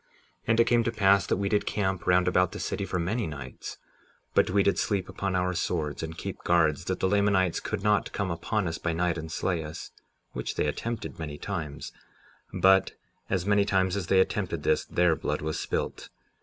57:9 And it came to pass that we did camp round about the city for many nights; but we did sleep upon our swords, and keep guards, that the Lamanites could not come upon us by night and slay us, which they attempted many times; but as many times as they attempted this their blood was spilt.